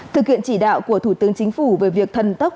thực hiện chỉ đạo của thủ tướng chính phủ về việc thần tốc